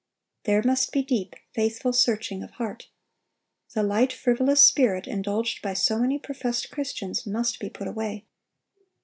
There must be deep, faithful searching of heart. The light, frivolous spirit indulged by so many professed Christians must be put away.